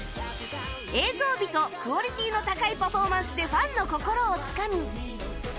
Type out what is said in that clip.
映像美とクオリティーの高いパフォーマンスでファンの心をつかむ